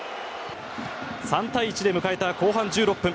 ３対１で迎えた後半１６分。